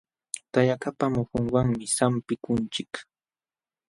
Tayakaqpa muhunwanmi sampikunchik.